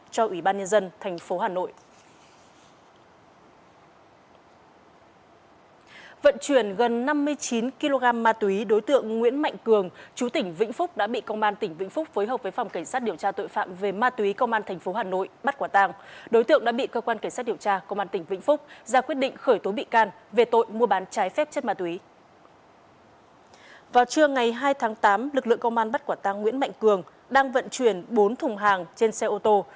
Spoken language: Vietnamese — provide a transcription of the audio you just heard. trưa ngày hai tháng tám lực lượng công an bắt quả tang nguyễn mạnh cường đang vận chuyển bốn thùng hàng trên xe ô tô